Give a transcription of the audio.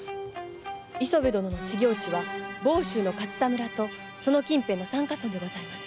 磯部殿の知行地は房州・勝田村とその近辺の三ヶ村でございます。